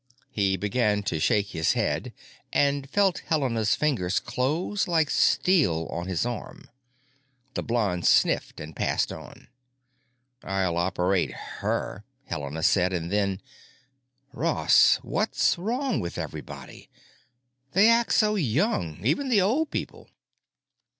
He began to shake his head and felt Helena's fingers close like steel on his arm. The blonde sniffed and passed on. "I'll operate her," Helena said, and then: "Ross, what's wrong with everybody? They act so young, even the old people!"